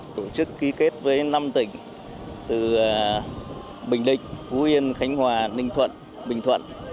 tổ chức ký kết với năm tỉnh từ bình định phú yên khánh hòa ninh thuận bình thuận